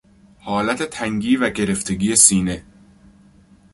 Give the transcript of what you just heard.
حالت تنگی و گرفتگی سینه